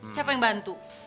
siapa yang bantu